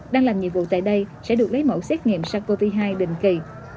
đang làm nhiệm vụ tại đây sẽ được lấy mẫu xét nghiệm sars cov hai định kỳ